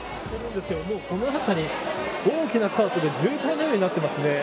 この辺り大きなカートで渋滞のようになっていますね。